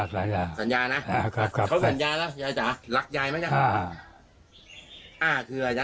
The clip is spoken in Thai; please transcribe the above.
เขาสัญญาแล้วยายจ๋ารักยายมั้ยนะ